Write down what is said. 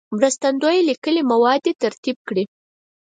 مرستندوی لیکلي مواد دې ترتیب کړي.